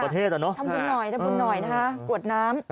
ทำบุญหน่อยควดน้ำ